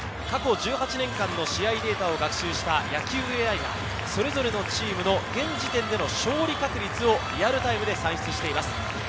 過去１８年間の試合データを学習した野球ＡＩがそれぞれのチームの現時点での勝利確率をリアルタイムで算出しています。